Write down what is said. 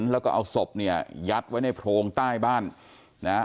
แล้วก็เอาศพเนี่ยยัดไว้ในโพรงใต้บ้านนะฮะ